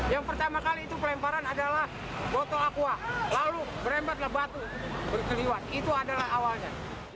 yang pertama kali itu pelemparan adalah botol aqua lalu berembatlah batu berkelihat itu adalah awalnya